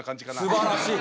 すばらしい。